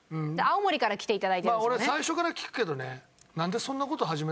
俺最初から聞くけどね。